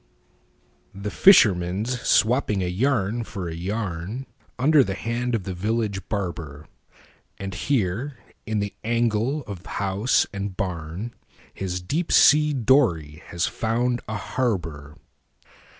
THE FISHERMAN'S swapping a yarn for a yarnUnder the hand of the village barber, And here in the angle of house and barnHis deep sea dory has found a harbor.